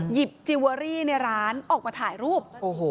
จิเวอรี่ในร้านออกมาถ่ายรูป